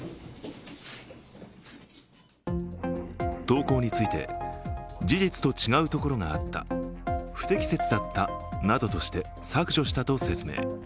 投稿について、事実と違うところがあった不適切だったなどとして削除したと説明。